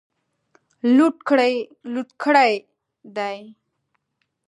لوټ کړي دي.